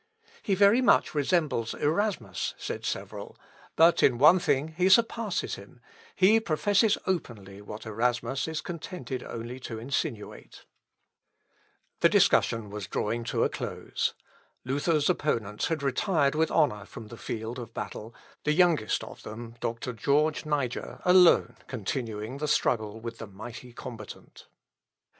"He very much resembles Erasmus," said several; "but in one thing he surpasses him, he professes openly what Erasmus is contented only to insinuate." Bucer, in Seultetet, Annal. Evangel. Renovat." p. 22. The discussion was drawing to a close. Luther's opponents had retired with honour from the field of battle, the youngest of them, Doctor George Niger, alone continuing the struggle with the mighty combatant.